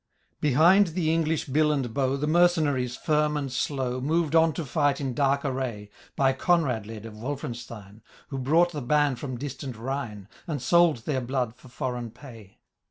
Behind the English bill and bow. The mercenaries, firm and slow, Moved on to fight in dark array. By Coniad led of Wolfenstein, Who brought the band from distant Rhine» And sold their blood for foreign pay.